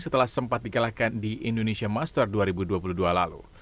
setelah sempat dikalahkan di indonesia master dua ribu dua puluh dua lalu